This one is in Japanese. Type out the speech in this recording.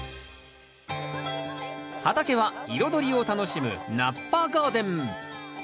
畑は彩りを楽しむ菜っ葉ガーデン